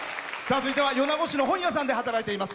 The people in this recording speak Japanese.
続いては米子市の本屋さんで働いています。